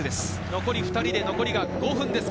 残り２人で残り５分です。